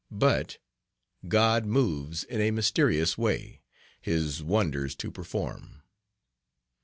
But "God moves in a mysterious way His wonders to perform."